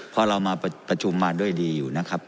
เพราะเรามาประชุมมาด้วยดีอยู่นะครับ